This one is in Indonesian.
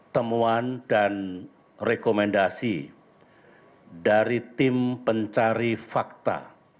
temuan dan rekomendasi dari tim pencari fakta